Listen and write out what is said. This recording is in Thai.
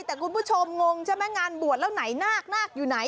แต่คุณผู้ชมงงใช่ไหมงานบวชแล้วไหนนากนาคอยู่ไหน